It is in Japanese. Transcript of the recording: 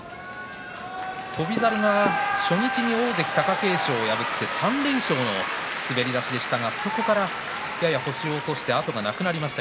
翔猿が初日に大関貴景勝を破って３連勝の滑り出しでしたがそこからやや星を落として後がなくなりました。